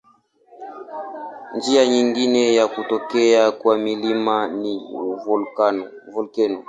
Njia nyingine ya kutokea kwa milima ni volkeno.